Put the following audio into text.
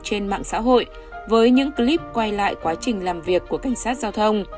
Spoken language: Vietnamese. trên mạng xã hội với những clip quay lại quá trình làm việc của cảnh sát giao thông